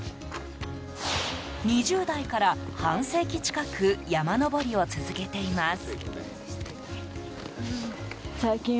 ２０代から半世紀近く山登りを続けています。